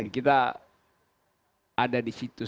kita ada di situ